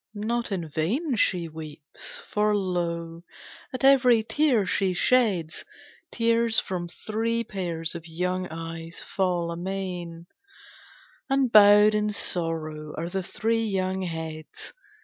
Not in vain She weeps, for lo! at every tear she sheds Tears from three pairs of young eyes fall amain, And bowed in sorrow are the three young heads.